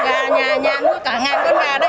gà gà gà nuôi cả ngàn con bà đi